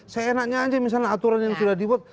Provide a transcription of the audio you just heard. seenaknya aja misalnya aturan yang sudah dibuat